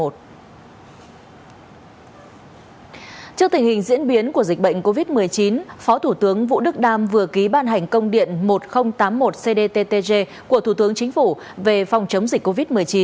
trước tình hình diễn biến của dịch bệnh covid một mươi chín phó thủ tướng vũ đức đam vừa ký ban hành công điện một nghìn tám mươi một cdttg của thủ tướng chính phủ về phòng chống dịch covid một mươi chín